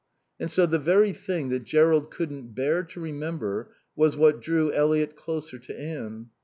And so the very thing that Jerrold couldn't bear to remember was what drew Eliot closer to Anne.